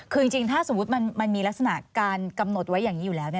คือจริงถ้ามีลักษณะการกำหนดอย่างนี้อยู่แล้ว